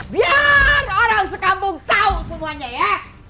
biar orang sekambung tau semuanya ya